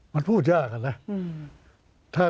มันพูดยากอะนะ